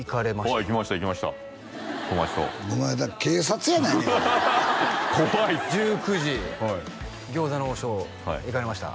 はい行きました行きました友達とお前警察やないねんから怖いっす１９時餃子の王将行かれました？